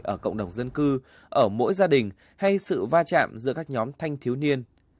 ở cộng đồng dân cư ở mỗi gia đình hay sự va chạm giữa các nhóm thanh thiếu niên